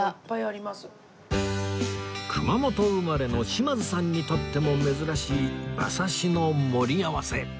熊本生まれの島津さんにとっても珍しい馬刺しの盛り合わせ